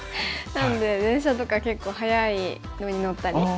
なので電車とか結構早いのに乗ったりしますね。